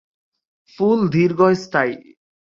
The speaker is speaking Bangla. ফুল দীর্ঘস্থায়ী।